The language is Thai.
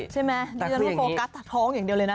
ใช่ไหมนี่ก็โฟกัสทั้งท้องอย่างเดียวเลยนะ